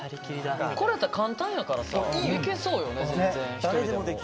これやったら簡単やからさいけそうよね全然。誰でもできる。